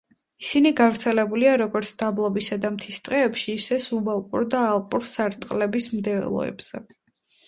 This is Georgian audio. ისინი გავრცელებულია როგორც დაბლობისა და მთის ტყეებში, ისე სუბალპურ და ალპურ სარტყლების მდელოებზე.